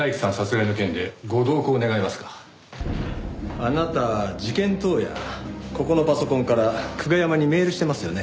あなた事件当夜ここのパソコンから久我山にメールしてますよね？